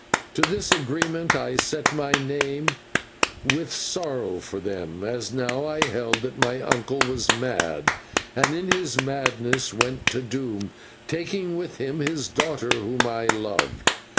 To this agreement I set my name with sorrow, for then, as now, I held that my uncle was mad, and in his madness went to doom, taking with him his daughter whom I loved.